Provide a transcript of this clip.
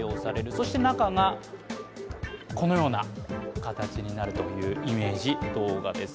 そして中が、このような形になるというイメージ動画です。